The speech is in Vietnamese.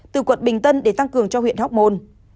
từ quận bình tân để tăng cường cho huyện hóc môn